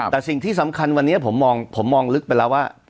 แต่สิ่งที่สำคัญวันนี้ผมมองลึกไปแล้วว่า